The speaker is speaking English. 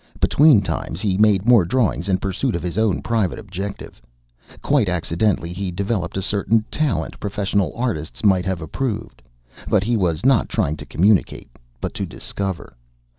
Between times he made more drawings in pursuit of his own private objective. Quite accidentally, he developed a certain talent professional artists might have approved. But he was not trying to communicate, but to discover.